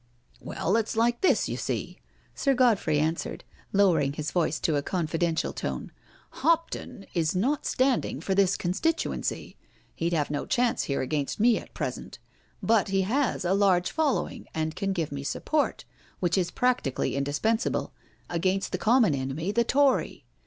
'*" Well, it's like this, you see," Sir Godfrey answered, lowering his voice to a confidential tone; " Hopton is not standing for this constituency — ^he'd have no chance here against me at present, but he has a large following, and can give me support, which is practically indispens able — against the common enemy, the Tory.